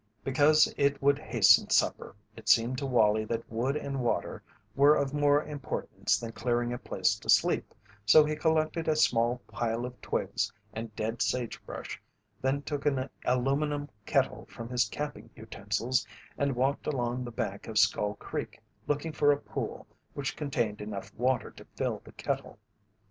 Because it would hasten supper, it seemed to Wallie that wood and water were of more importance than clearing a place to sleep, so he collected a small pile of twigs and dead sagebrush, then took an aluminum kettle from his camping utensils and walked along the bank of Skull Creek looking for a pool which contained enough water to fill the kettle.